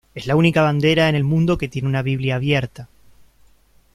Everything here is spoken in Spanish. Es la única bandera en el mundo que tiene una Biblia abierta.